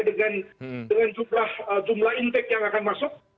dengan jumlah impact yang akan masuk